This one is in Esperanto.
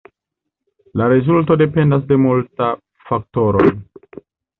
La rezultoj dependas de multa faktoroj.